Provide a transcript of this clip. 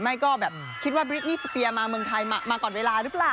ไม่ก็แบบคิดว่าบริดนี่สเปียร์มาเมืองไทยมาก่อนเวลาหรือเปล่า